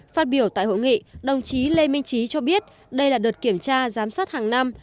phát biểu tại hội nghị đồng chí lê minh trí cho biết đây là đợt kiểm tra giám sát hàng năm